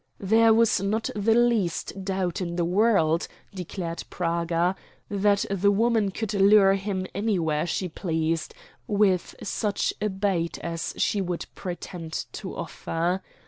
There was not the least doubt in the world, declared Praga, that the woman could lure him anywhere she pleased with such a bait as she would pretend to offer.